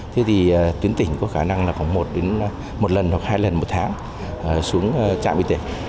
thế thì tuyến tỉnh có khả năng là khoảng một đến một lần hoặc hai lần một tháng xuống trạm y tế